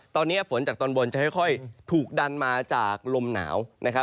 ตอนนี้ฝนจากตอนบนจะค่อยถูกดันมาจากลมหนาวนะครับ